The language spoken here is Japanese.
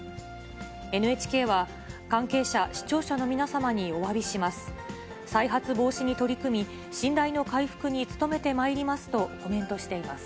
ＮＨＫは、関係者、視聴者の皆様におわびします。